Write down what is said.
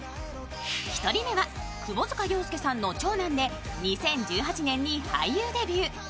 １人目は窪塚洋介さんの長男で２０１８年に俳優デビュー。